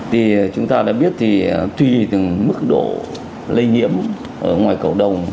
thì chúng ta đã biết thì tùy từng mức độ lây nhiễm ở ngoài cầu đông